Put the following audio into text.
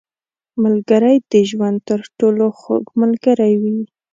• ملګری د ژوند تر ټولو خوږ ملګری وي.